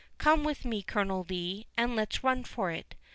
Come with me, Colonel Lee, and let us run for it.